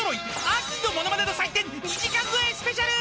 ［秋のモノマネの祭典２時間超えスペシャル！］